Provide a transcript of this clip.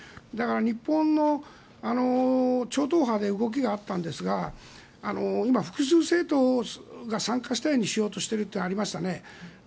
だから日本の超党派で動きがあったんですが今、複数政党が参加主体にしようとしているのがありましたね。